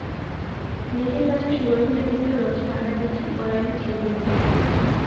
নিজের গাছের সুগন্ধি লেবুগুলো রোজ পাহারা দিচ্ছেন ওরা এলে ছিঁড়বেন বলে।